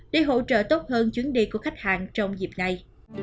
để hỗ trợ tốt hơn chuyến đi của khách hàng trong dịp này